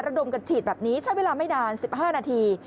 ดมกันฉีดแบบนี้ใช้เวลาไม่นาน๑๕นาที